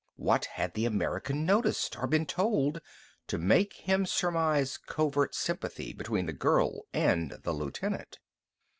What had the American noticed, or been told, to make him surmise covert sympathy between the girl and the lieutenant?